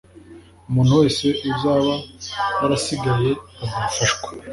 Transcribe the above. umuntu wese uzaba yarasigaye azafashwa